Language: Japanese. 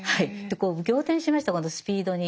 仰天しましたこのスピードに。